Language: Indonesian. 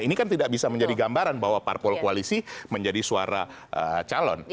ini kan tidak bisa menjadi gambaran bahwa parpol koalisi menjadi suara calon